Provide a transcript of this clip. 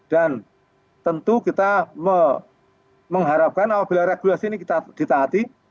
dan tentu kita mengharapkan apabila regulasi ini kita ditahati